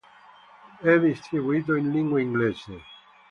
È distribuito in lingua inglese.